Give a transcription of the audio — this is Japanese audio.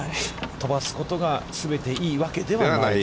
飛ばすことが全ていいわけではないと。